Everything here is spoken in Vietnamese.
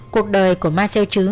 cuộc đời của má diệp chứ